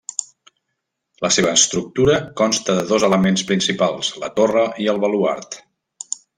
La seva estructura consta de dos elements principals: la torre i el baluard.